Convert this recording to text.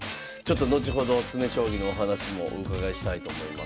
後ほど詰将棋のお話もお伺いしたいと思います。